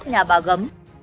đất nhà bà gấm